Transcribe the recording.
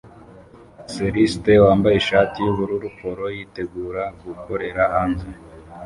Cellist wambaye ishati yubururu polo yitegura gukorera hanze